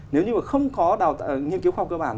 nếu như mà không có nghiên cứu khoa học cơ bản